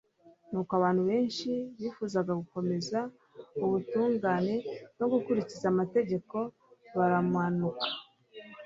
nuko abantu benshi bifuzaga gukomeza ubutungane no gukurikiza amategeko, baramanuka